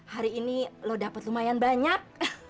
hari ini lo dapat lumayan banyak